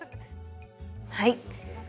はい。